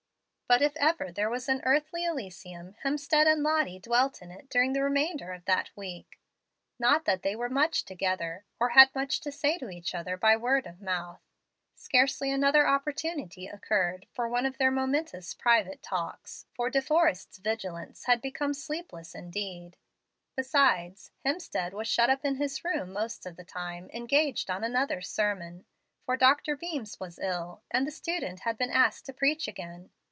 But if ever there was an earthly elysium, Hemstead and Lottie dwelt in it during the remainder of that week. Not that they were much together, or had much to say to each other by word of mouth. Scarcely another opportunity occurred for one of their momentous private talks, for De Forrest's vigilance had become sleepless indeed. Besides, Hemstead was shut up in his room most of the time, engaged on another sermon. For Dr. Beams was ill, and the student had been asked to preach again.